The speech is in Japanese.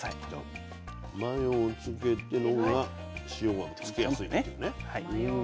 マヨをつけてのほうが塩はつきやすいんですよね。